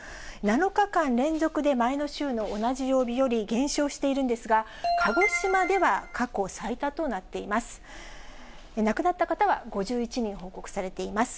７日間連続で前の週の同じ曜日より減少しているんですが、鹿児島では過去最多となっています。